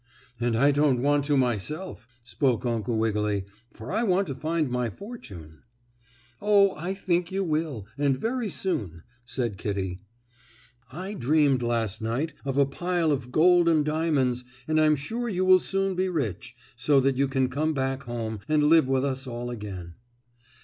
"And I don't want to myself," spoke Uncle Wiggily, "for I want to find my fortune." "Oh, I think you will, and very soon," said Kittie. "I dreamed last night of a pile of gold and diamonds, and I'm sure you will soon be rich, so that you can come back home, and live with us all again."